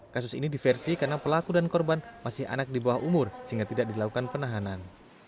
kasus ini diversi karena pelaku dan korban masih anak di bawah umur sehingga tidak dilakukan penahanan